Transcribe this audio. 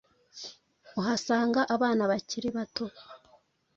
Uhasanga Abana bakiri bato